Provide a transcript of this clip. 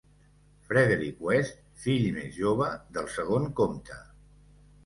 Frederick West, fill més jove del segon comte.